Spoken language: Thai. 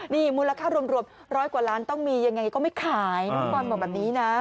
นี่มูลค่ารวมร้อยกว่าล้านต้องมียังไงก็ไม่ขายน้องบอลบอกแบบนี้นะ